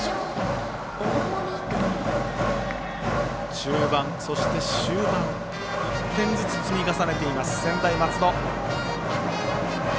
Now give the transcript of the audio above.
中盤、そして終盤１点ずつ積み重ねている専大松戸。